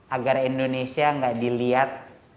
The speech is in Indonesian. agar indonesia gak dilihat